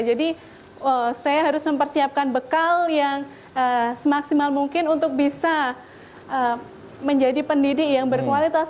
jadi saya harus mempersiapkan bekal yang semaksimal mungkin untuk bisa menjadi pendidik yang berkualitas